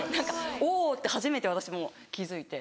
「おぉ」って初めて私も気付いて。